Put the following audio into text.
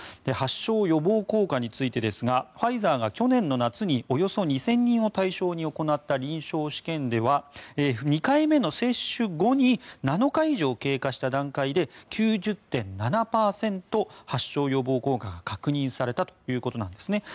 発症予防効果についてですがファイザーが去年の夏におよそ２０００人を対象に行った臨床試験では２回目の接種後に７日以上経過した段階で９０．７％、発症予防効果が確認されたということです。